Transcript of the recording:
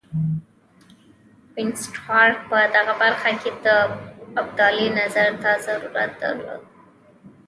وینسیټارټ په دغه برخه کې د ابدالي نظر ته ضرورت درلود.